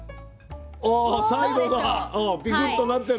あサイドがピクッとなってる。